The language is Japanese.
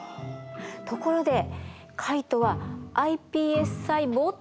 ところでカイトはｉＰＳ細胞って知ってる？